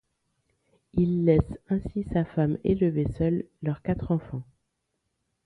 Il laisse ainsi sa femme élever seule leurs quatre enfants.